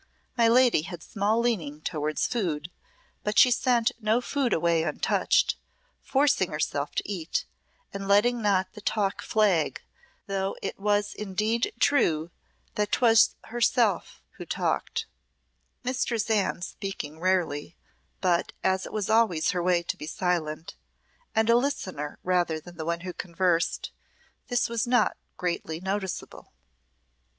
My lady had small leaning towards food, but she sent no food away untouched, forcing herself to eat, and letting not the talk flag though it was indeed true that 'twas she herself who talked, Mistress Anne speaking rarely; but as it was always her way to be silent, and a listener rather than one who conversed, this was not greatly noticeable.